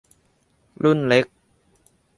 รุ่นเล็ก